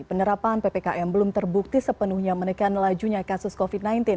penerapan ppkm belum terbukti sepenuhnya menekan lajunya kasus covid sembilan belas